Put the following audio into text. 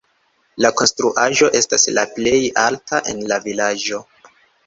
La konstruaĵo estas la plej alta en la vilaĝo.